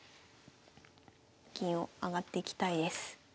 銀を上がっていきたいです。